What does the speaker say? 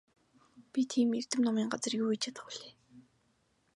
Би тийм эрдэм номын газар юу хийж чадах билээ?